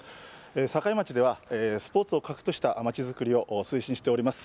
境町では、スポーツを核とした街づくりを推進しております。